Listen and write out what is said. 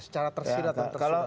secara tersirat atau tersuruh